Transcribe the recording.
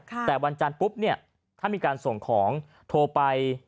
แต่วันจันทร์ปุ๊บเนี่ยถ้ามีการส่งของโทรไป